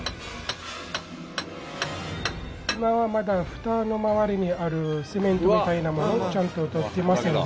今はまだ蓋の周りにあるセメントみたいなものをちゃんと取ってますので。